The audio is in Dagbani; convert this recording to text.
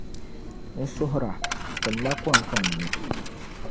N suhiri a, tim ma kom ka n nyu.